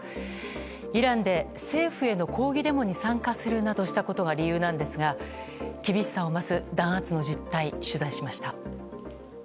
イランで政府への抗議デモに参加するなどしたことが理由なんですが厳しさを増す弾圧の実態を取材しました。